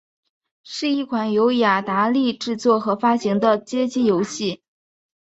是一款由雅达利制作和发行的街机游戏。